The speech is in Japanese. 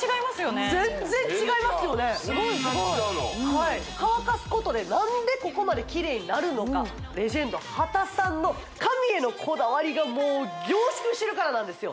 そんなに違うのすごいすごい乾かすことでなんでここまでキレイになるのかレジェンド波多さんの髪へのこだわりが凝縮してるからなんですよ